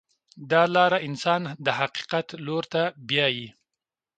دا لاره انسان د حقیقت لور ته بیایي.